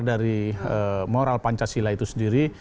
dari moral pancasila itu sendiri